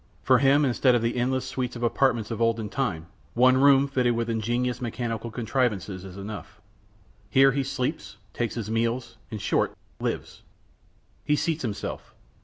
For him, instead of the endless suites of apartments of the olden time, one room fitted with ingenious mechanical contrivances is enough. Here he sleeps, takes his meals, in short, lives. He seats himself.